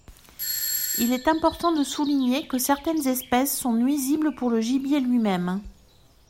Il est important de souligner que certaines espèces sont nuisibles pour le gibier lui-même.